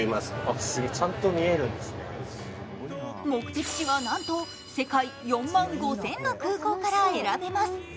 目的地は、なんと世界４万５０００の空港から選べます。